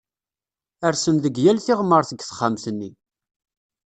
Rsen deg yal tiɣmert deg texxamt-nni